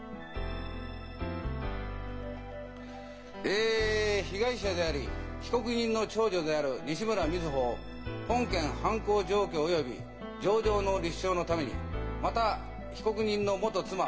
え被害者であり被告人の長女である西村瑞穂を本件犯行状況および情状の立証のためにまた被告人の元妻